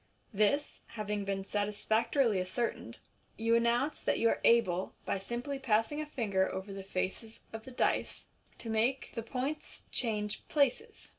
This haying been satisfactorily ascertained, you announce that you are able, by simply passing a finger over the faces of the dice, to make the points change places.